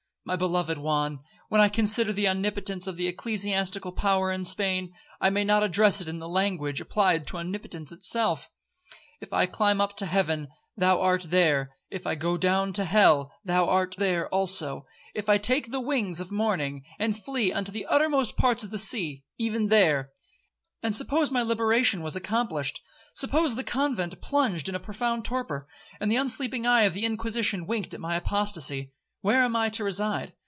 My beloved Juan, when I consider the omnipotence of the ecclesiastical power in Spain, may I not address it in the language applied to Omnipotence itself: 'If I climb up to heaven, thou art there;—if I go down to hell, thou art there also;—if I take the wings of the morning, and flee unto the uttermost parts of the sea, even there—' And suppose my liberation was accomplished—suppose the convent plunged in a profound torpor, and the unsleeping eye of the Inquisition winked at my apostacy—where am I to reside?